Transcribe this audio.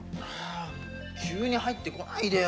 急に入ってこないでよ！